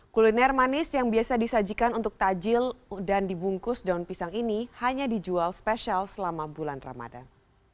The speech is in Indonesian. kuliner manis yang biasa disajikan untuk tajil dan dibungkus daun pisang ini hanya dijual spesial selama bulan ramadan